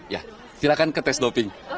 ya silahkan ke tes doping